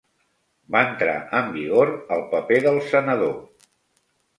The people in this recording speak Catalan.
Va entrar en vigor el paper del senador.